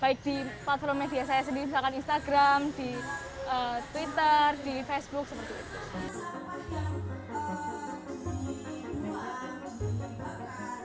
baik di platform media saya sendiri misalkan instagram di twitter di facebook seperti itu